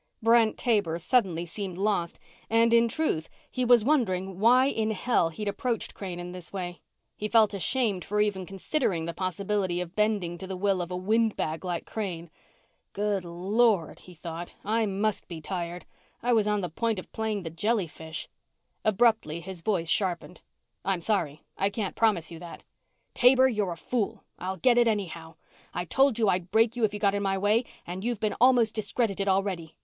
Brent Taber suddenly seemed lost and, in truth, he was wondering why in hell he'd approached Crane in this way. He felt ashamed for even considering the possibility of bending to the will of a windbag like Crane. Good Lord, he thought, I must be tired. I was on the point of playing the jellyfish. Abruptly his voice sharpened. "I'm sorry, I can't promise you that." "Taber, you're a fool! I'll get it anyhow. I told you I'd break you if you got in my way, and you've been almost discredited already.